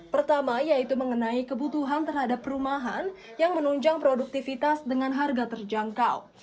pertama yaitu mengenai kebutuhan terhadap perumahan yang menunjang produktivitas dengan harga terjangkau